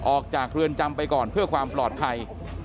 ออกจากเรือนจำไปก่อนเพื่อความปลอดภัย